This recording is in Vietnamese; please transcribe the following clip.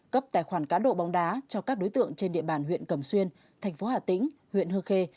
cấp tài khoản cá độ bóng đá cho các đối tượng trên địa bàn huyện cầm xuyên tp hcm huyện hương khê